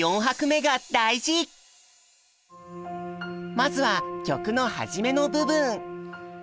まずは曲の初めの部分。